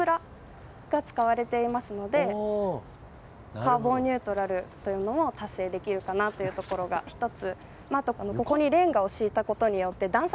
カーボンニュートラルも達成できるかなというのが１つ。